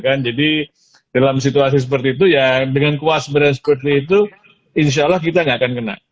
kan jadi dalam situasi seperti itu ya dengan kuas beras seperti itu insya allah kita nggak akan kena